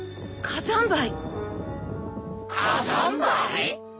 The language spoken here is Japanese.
火山灰？